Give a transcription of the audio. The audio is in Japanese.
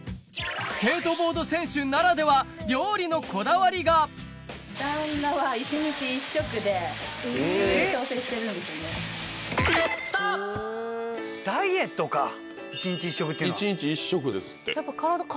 スケートボード選手ならでは料理のこだわりが一日一食ですって。